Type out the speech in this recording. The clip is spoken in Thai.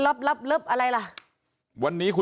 อะไรล่ะ